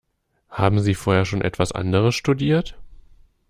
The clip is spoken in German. Haben Sie vorher schon etwas anderes studiert?